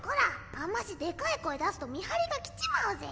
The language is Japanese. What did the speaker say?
あんましでかい声出すと見張りが来ちまうぜ。